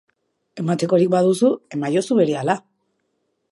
Ematekorik baduzu, emaiozu berehala.